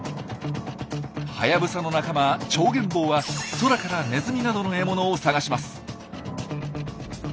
ハヤブサの仲間チョウゲンボウは空からネズミなどの獲物を探します。